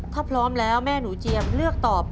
ถ้าพร้อมแล้วแม่หนูเจียมเลือกตอบ